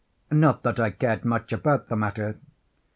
Not that I cared much about the matter.